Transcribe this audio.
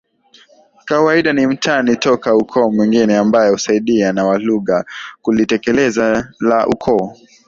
kawaida ni Mtani toka Ukoo mwingine ambae husaidiana na Wahunga kulitekeleza jambo la Ukoo